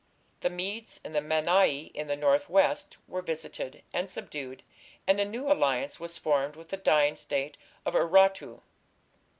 The Medes and the Mannai in the north west were visited and subdued, and a new alliance was formed with the dying State of Urartu.